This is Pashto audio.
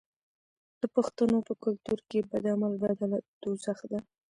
د پښتنو په کلتور کې د بد عمل بدله دوزخ دی.